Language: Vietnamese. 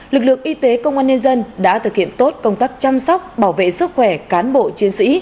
lực lượng y tế công an nhân dân đã thực hiện tốt công tác chăm sóc bảo vệ sức khỏe cán bộ chiến sĩ